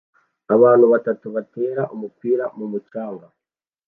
Abantu batatu batera umupira mumucanga